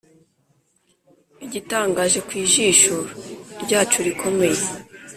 igitangaje ku jisho ryacu rikomeye,